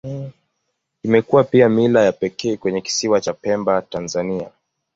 Imekuwa pia mila ya pekee kwenye Kisiwa cha Pemba, Tanzania.